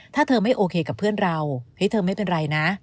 ถ้าเธอไม่โอเคกับเพื่อนเราเฮ้ยเธอไม่เป็นไรนะ